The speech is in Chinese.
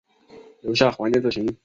留下怀念之情